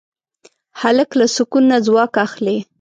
هلک له سکون نه ځواک اخلي.